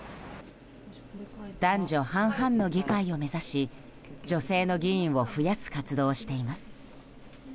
男女半々の議会を目指し女性の議員を増やす活動をしています。